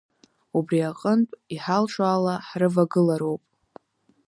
Убри аҟынтә, иҳалшо ала ҳрывагылароуп.